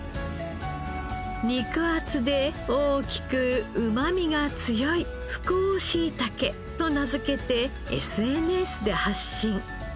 肉厚で大きくうまみが強い「福王しいたけ」と名付けてＳＮＳで発信。